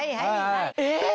えっ？